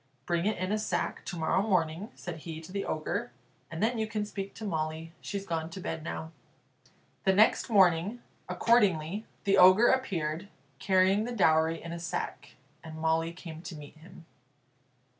"Bring it in a sack to morrow morning," said he to the Ogre, "and then you can speak to Molly; she's gone to bed now." The next morning, accordingly, the Ogre appeared, carrying the dowry in a sack, and Molly came to meet him.